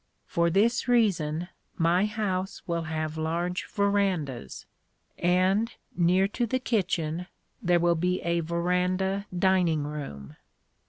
For this reason my house will have large verandas, and, near to the kitchen, there will be a veranda dining room.